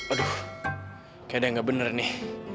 aduh kayak ada yang gak bener nih